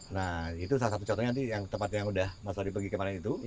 nah itu salah satu contohnya nanti yang tempat yang udah mas wadi pergi kemarin itu